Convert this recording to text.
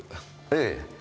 ええ。